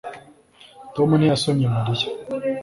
tom ntiyasomye mariya